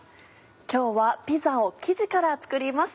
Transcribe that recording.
今日はピザを生地から作ります。